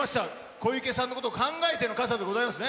小池さんのことを考えての傘でございますね。